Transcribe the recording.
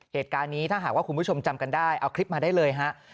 เหตุการณ์นี้ถ้าหากว่าคุณผู้ชมจำกันได้เอาคลิปมาได้เลยฮะ